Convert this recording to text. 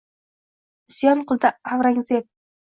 Isyon qildi Avrangzeb.